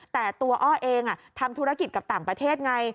แต่ตัวอ้อเองทำธุรกิจกับต่างประเทศไง